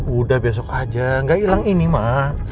udah besok aja nggak hilang ini mak